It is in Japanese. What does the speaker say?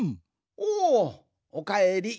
おおおかえり。